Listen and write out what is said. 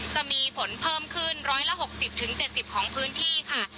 จะมีฝนเพิ่มขึ้น๑๖๐๗๐ของพื้นที่ค่ะ